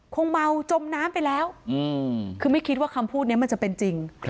คงเมาจมน้ำไปแล้วคือไม่คิดว่าคำพูดนี้มันจะเป็นจริง